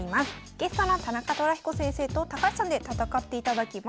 ゲストの田中寅彦先生と高橋さんで戦っていただきます。